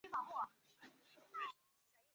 擅长诠释各种父亲形象和政府工作人员形象。